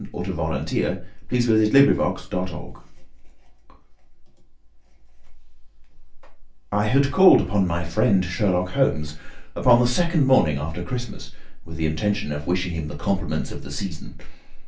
THE ADVENTURE OF THE BLUE CARBUNCLE I had called upon my friend Sherlock Holmes upon the second morning after Christmas, with the intention of wishing him the compliments of the season.